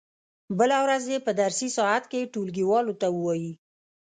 بله ورځ دې په درسي ساعت کې ټولګیوالو ته و وایي.